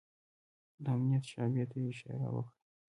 د امنيت شعبې ته يې اشاره وکړه.